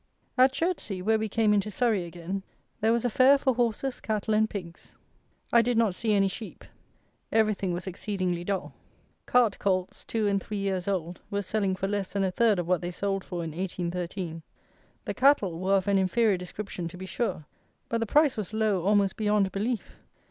At Chertsey, where we came into Surrey again, there was a Fair for horses, cattle, and pigs. I did not see any sheep. Everything was exceedingly dull. Cart colts, two and three years old, were selling for less than a third of what they sold for in 1813. The cattle were of an inferior description to be sure; but the price was low almost beyond belief.